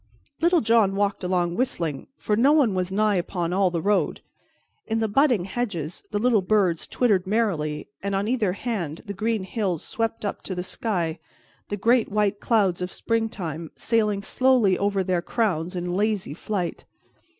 Little John walked along, whistling, for no one was nigh upon all the road. In the budding hedges the little birds twittered merrily, and on either hand the green hills swept up to the sky, the great white clouds of springtime sailing slowly over their crowns in lazy flight.